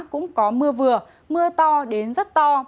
cũng có mưa vừa mưa to đến rất to